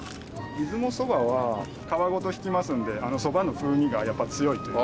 出雲そばは皮ごと挽きますのでそばの風味がやっぱり強いというか。